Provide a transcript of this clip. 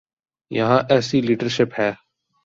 یہاں ایسی لیڈرشپ ہے؟